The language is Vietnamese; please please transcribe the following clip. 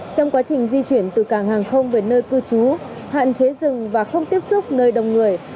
trong quá trình di chuyển từ cảng hàng không về nơi cư trú hạn chế dừng và không tiếp xúc nơi đông người